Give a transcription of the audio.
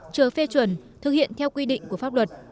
chờ phê chuẩn thực hiện theo quy định của pháp luật